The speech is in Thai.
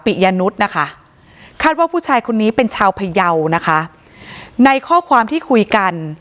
ยนุษย์นะคะคาดว่าผู้ชายคนนี้เป็นชาวพยาวนะคะในข้อความที่คุยกัน